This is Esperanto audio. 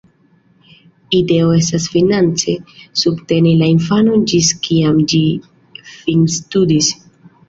Ideo estas finance subteni la infanon ĝis kiam ĝi finstudis.